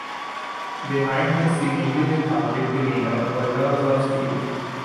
Behind his seemingly lethargic demeanor were nerves of steel.